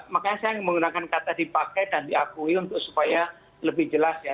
makanya saya menggunakan kata dipakai dan diakui supaya lebih jelas ya